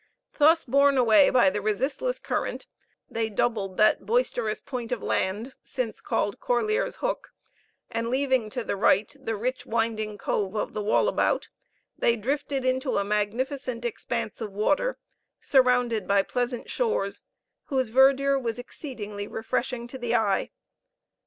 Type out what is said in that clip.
Thus borne away by the resistless current, they doubled that boisterous point of land since called Corlear's Hook, and leaving to the right the rich winding cove of the Wallabout, they drifted into a magnificent expanse of water, surrounded by pleasant shores, whose verdure was exceedingly refreshing to the eye.